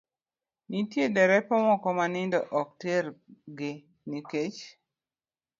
Nitie derepe moko ma nindo ok tergi nikech